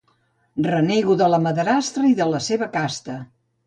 Renego de la madrastra i de la seva casta.